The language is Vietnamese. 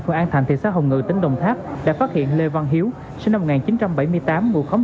phường an thành thị xã hồng ngự tỉnh đồng tháp đã phát hiện lê văn hiếu sinh năm một nghìn chín trăm bảy mươi tám mùa khóng